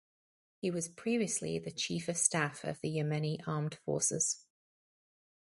He was previously the chief of staff of the Yemeni Armed Forces.